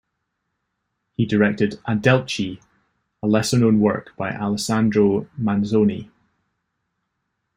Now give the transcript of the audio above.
He directed "Adelchi", a lesser-known work by Alessandro Manzoni.